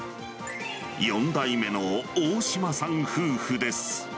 ４代目の大島さん夫婦です。